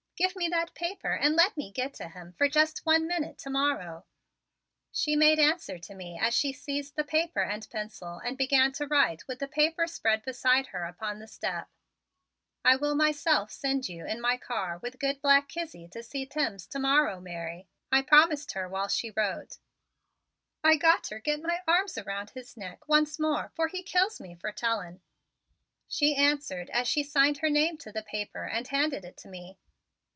Give me that paper and let me git to him fer jest one minute to morrow," she made answer to me as she seized the paper and pencil and began to write with the paper spread beside her upon the step. "I will myself send you in my car with good black Kizzie to see Timms to morrow, Mary," I promised her while she wrote. "I got ter get my arms around his neck once more 'fore he kills me fer telling," she answered as she signed her name to the paper and handed it to me.